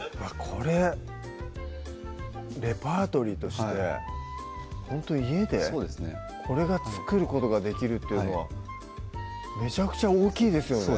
これレパートリーとしてほんとに家でこれが作ることができるっていうのはめちゃくちゃ大きいですよね